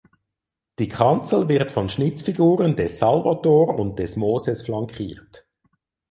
Die Kanzel wird von Schnitzfiguren des Salvator und des Moses flankiert.